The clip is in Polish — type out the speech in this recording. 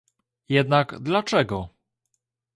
Jednak dlaczego?